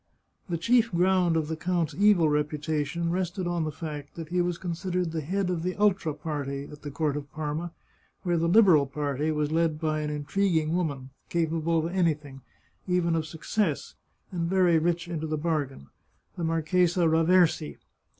The chief ground of the count's evil reputation rested on the fact that he was considered the head of the ultra party at the court of Parma, where the Liberal party was led by an intriguing woman, capable of anything, even of success, and very rich into the bargain — the Marchesa Raversi.